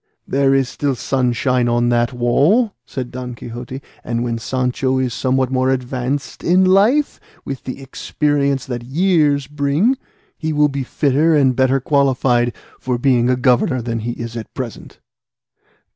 "There is still sunshine on the wall," said Don Quixote; "and when Sancho is somewhat more advanced in life, with the experience that years bring, he will be fitter and better qualified for being a governor than he is at present."